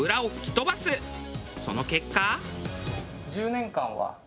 その結果。